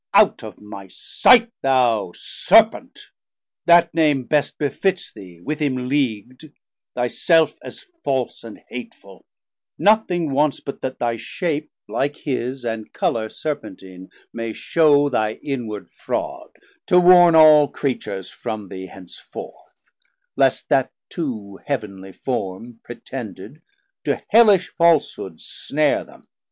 Out of my sight, thou Serpent, that name best Befits thee with him leagu'd, thy self as false And hateful; nothing wants, but that thy shape, Like his, and colour Serpentine may shew 870 Thy inward fraud, to warn all Creatures from thee Henceforth; least that too heav'nly form, pretended To hellish falshood, snare them.